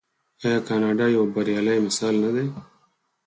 آیا کاناډا یو بریالی مثال نه دی؟